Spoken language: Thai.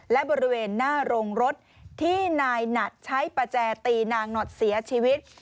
และบริเวณหน้าโรงรถที่นายหนัดใช้ประแจตีนางหนอดเสียชีวิต